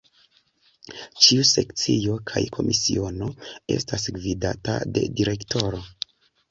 Ĉiu Sekcio kaj Komisiono estas gvidata de Direktoro.